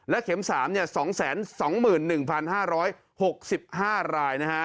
และเข็ม๓๒๒๑๕๖๕รายนะครับ